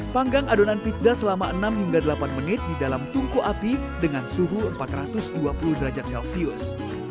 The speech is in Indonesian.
panggang adonan pizza selama enam hingga delapan menit di dalam tungku api dengan suhu empat ratus dua puluh derajat celcius